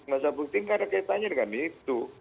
masalah politik kadang kadang ditanya dengan itu